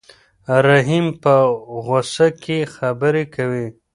رحیم په غوسه کې خبرې کوي.